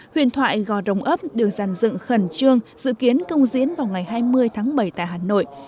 huyền thoại gò rồng ấp được dàn dựng khẩn trương dự kiến công diễn vào ngày hai mươi tháng bảy tại hà nội